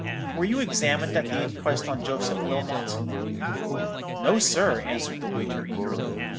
Were you examined at the inquest on Joseph Wilmot?' "No, sir,' answered the waiter, eagerly.